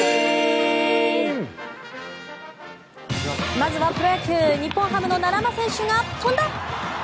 まずはプロ野球日本ハムの奈良間選手が飛んだ。